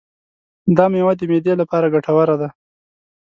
دا مېوه د معدې لپاره ګټوره ده.